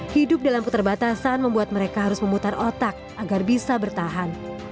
hidup dalam keterbatasan membuat mereka harus memutar otak agar bisa bertahan